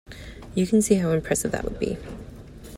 You can see how impressive that would be.